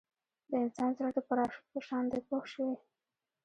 د انسان زړه د پراشوټ په شان دی پوه شوې!.